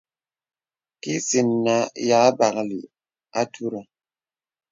Kìsin nǎ yâ bāklì àturə.